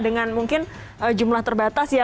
dengan mungkin jumlah terbatas ya